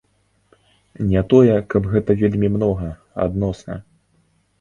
Не тое, каб гэта вельмі многа, адносна.